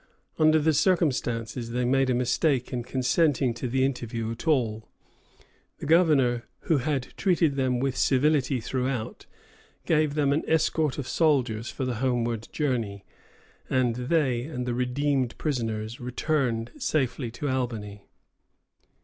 Under the circumstances, they made a mistake in consenting to the interview at all. The governor, who had treated them with civility throughout, gave them an escort of soldiers for the homeward journey, and they and the redeemed prisoners returned safely to Albany.